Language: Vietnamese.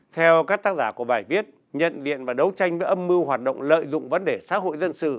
theo các tác giả của bài viết nhận diện và đấu tranh với âm mưu hoạt động lợi dụng vấn đề xã hội dân sự